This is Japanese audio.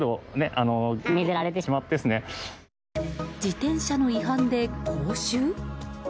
自転車の違反で講習？